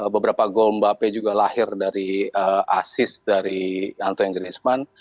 beberapa gol mbappe juga lahir dari asis dari anto engineman